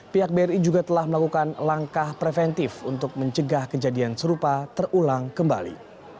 pihak bri juga telah melakukan langkah preventif untuk mencegah kejadian serupa terulang kembali